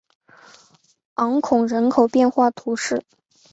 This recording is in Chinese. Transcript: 昂孔人口变化图示